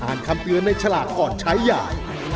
อ่านคำเตือนในฉลากก่อนใช้อย่าง